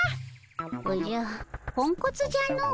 おじゃポンコツじゃの。